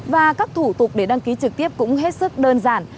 và các thủ tục để đăng ký trực tiếp cũng hết sức đơn giản